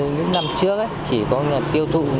những năm trước chỉ có người tiêu thụ